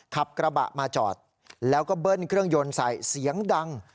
ขับกระบะมาจอดแล้วก็เบิ้ลเครื่องยนต์ใส่เสียงดัง